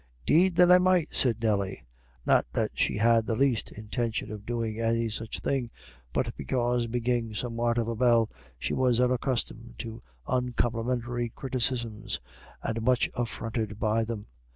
"'Deed then I might," said Nelly; not that she had the least intention of doing any such thing, but because, being somewhat of a belle, she was unaccustomed to uncomplimentary criticisms and much affronted by them.